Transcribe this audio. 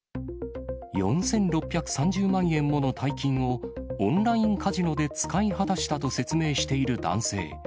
４６３０万円もの大金を、オンラインカジノで使い果たしたと説明している男性。